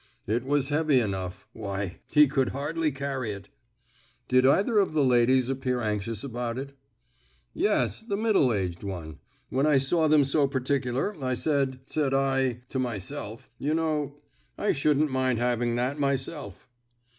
"It was heavy enough. Why, he could hardly carry it." "Did either of the ladies appear anxious about it?" "Yes, the middle aged one. When I saw them so particular, I said, said I to myself, you know I shouldn't mind having that myself."